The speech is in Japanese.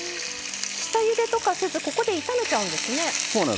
下ゆでとかせずここで炒めちゃうんですね。